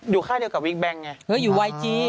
อยู่ค่าเดียวกับวิกแบงค์ไง